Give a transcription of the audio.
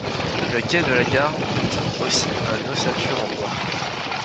Le quai de la gare montre aussi un ossature en bois.